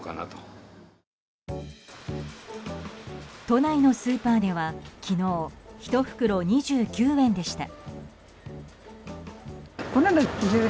都内のスーパーでは昨日１袋２９円でした。